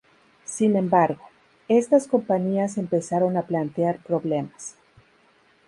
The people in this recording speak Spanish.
Sin embargo, estas compañías empezaron a plantear problemas.